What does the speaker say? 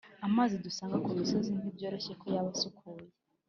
amazi dusanga ku misozi, ntibyoroshye ko yaba asukuye